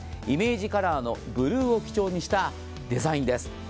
イメージカラーのブルーを基調にしたデザインです。